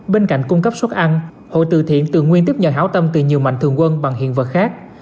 bên cạnh cung cấp suất ăn hội từ thiện thường nguyên tiếp nhận hảo tâm từ nhiều mạnh thường quân bằng hiện vật khác